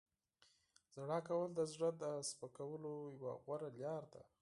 • ژړا کول د زړه د سپکولو یوه غوره لاره ده.